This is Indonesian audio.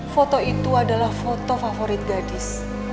foto itu adalah foto favorit gadis